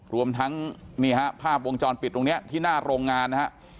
รวมทั้งนี่ฮะภาพวงจรปิดตรงนี้ที่หน้าโรงงานนะฮะ